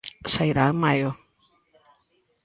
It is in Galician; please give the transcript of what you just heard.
Sairá en maio.